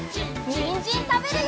にんじんたべるよ！